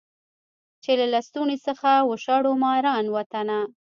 چي له لستوڼي څخه وشړو ماران وطنه